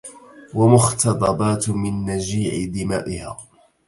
ومختضبات من نجيع دمائها